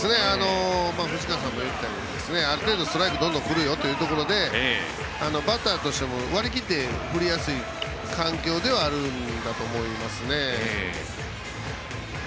藤川さんも言ったようにある程度スライダーがどんどん来るよというところでバッターとしては割り切って振りやすい環境ではあると思います。